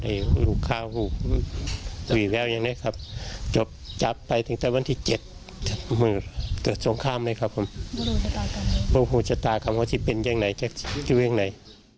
ได้ก็เพราะพวกชีวีมึงเนย